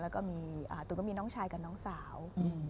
แล้วก็มีน้องชายกับน้องสาว